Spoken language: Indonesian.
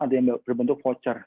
ada yang berbentuk voucher